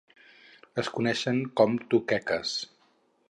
Es coneixen com tuqueques.